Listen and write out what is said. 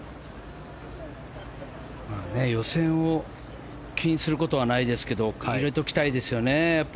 予選を気にすることはないですけどこれ、入れておきたいですよね。